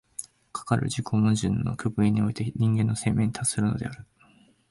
かかる自己矛盾の極限において人間の生命に達するのである。